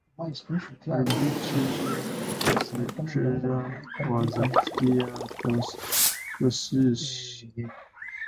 Albert's rule in Prussia was fairly prosperous.